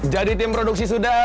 jadi tim produksi sudah